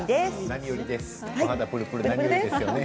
何よりです。